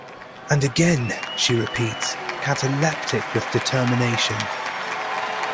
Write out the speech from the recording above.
"And again," she repeats, cataleptic with determination.